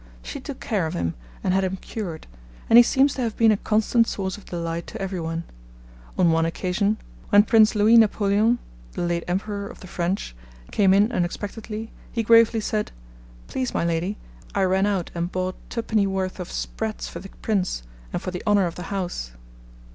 She took care of him, and had him cured, and he seems to have been a constant source of delight to every one. On one occasion, 'when Prince Louis Napoleon (the late Emperor of the French) came in unexpectedly, he gravely said: "Please, my Lady, I ran out and bought twopenny worth of sprats for the Prince, and for the honour of the house."'